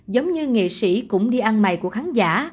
giống như nghệ sĩ cũng đi ăn mày của khán giả